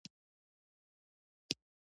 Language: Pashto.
چې هر یوه ته بېلابېلې ګټې ورسېږي.